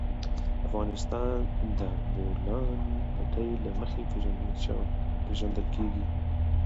افغانستان د د بولان پټي له مخې پېژندل کېږي.